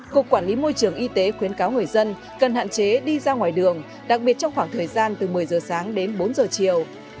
cục quản lý môi trường y tế khuyến cáo người dân cần hạn chế đi ra ngoài đường đặc biệt trong khoảng thời gian từ một mươi giờ sáng đến bốn giờ chiều